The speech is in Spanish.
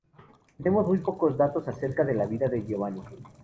Tenemos muy pocos datos acerca de la vida de Giovanni.